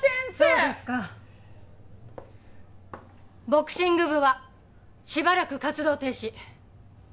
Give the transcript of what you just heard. ボクシング部はしばらく活動停止。